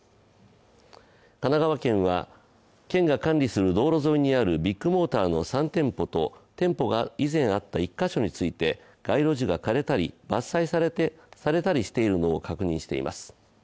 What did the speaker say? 神奈川県は県が管理する道路沿いにあるビッグモーターの３店舗と店舗が以前あった１カ所について街路樹が枯れたり伐採されたりしているのを確認しています。